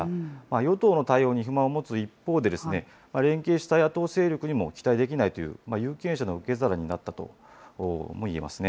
与党の対応に不満を持つ一方でですね、連携した野党勢力にも期待できないという、有権者の受け皿になったともいえますね。